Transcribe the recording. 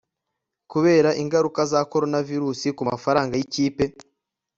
kubera ingaruka za coronavirus kumafaranga yikipe